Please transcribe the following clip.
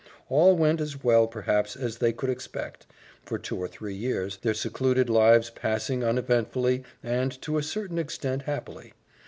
All went as well, perhaps, as they could expect, for two or three years, their secluded lives passing uneventfully and, to a certain extent, happily.